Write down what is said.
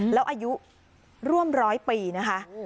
แล้วอายุร่วมร้อยปีนะคะ